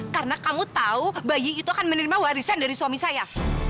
karena kamu tau bayi itu akan menerima warisan dari suami saya